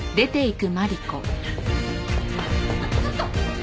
あっちょっと！